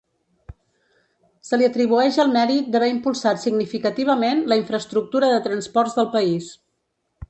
Se li atribueix el mèrit d'haver impulsat significativament la infraestructura de transports del país.